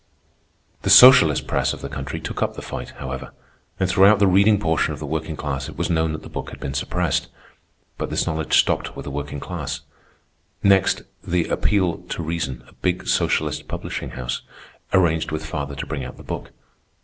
The socialist press of the country took up the fight, however, and throughout the reading portion of the working class it was known that the book had been suppressed. But this knowledge stopped with the working class. Next, the "Appeal to Reason," a big socialist publishing house, arranged with father to bring out the book.